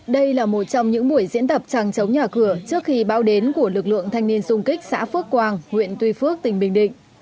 đây là một trong những buổi diễn tập trăng chống nhà cửa trước khi bão đến của lực lượng thanh niên xung kích xã phước quang huyện tuy phước tỉnh bình định